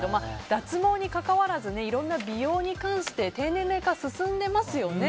脱毛に関わらずいろんな美容に関して低年齢化が進んでますよね。